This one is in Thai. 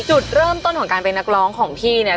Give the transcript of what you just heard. จุดเริ่มต้นของการเป็นนักร้องของพี่เนี่ย